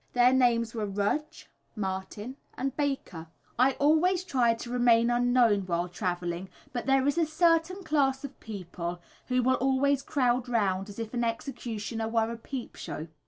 Their names were Rudge, Martin, and Baker. I always try to remain unknown while travelling, but there is a certain class of people who will always crowd round as if an executioner were a peep show.